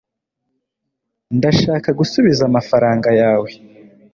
ndashaka gusubiza amafaranga yawe